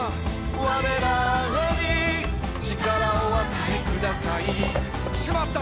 「われらに力をお与えください」「しまった！」